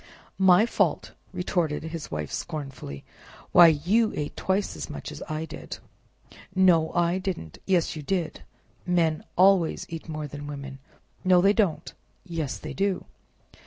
"My fault!" retorted his Wife scornfully, "why, you ate twice as much as I did!" "No, I didn't!" "Yes, you did! Men always eat more than women. "No, they don't!" "Yes, they do!"